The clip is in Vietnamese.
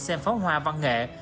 xem phó hoa văn nghệ